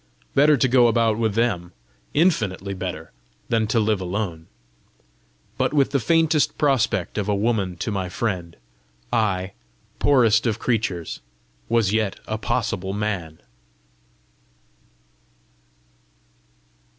Better to go about with them infinitely better than to live alone! But with the faintest prospect of a woman to my friend, I, poorest of creatures, was yet a possible man!